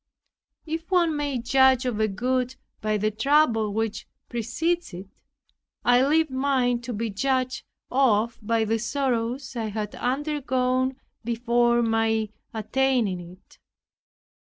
If one may judge of a good by the trouble which precedes it, I leave mine to be judged of by the sorrows I had undergone before my attaining it.